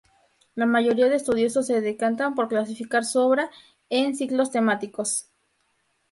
La mayoría de estudiosos se decantan por clasificar su obra en ciclos temáticos.